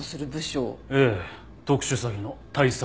ええ特殊詐欺の対策